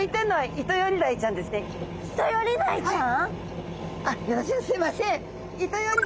イトヨリダイちゃん。